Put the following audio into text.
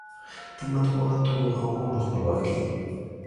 د مطبوعاتو او غونډو خپلواکي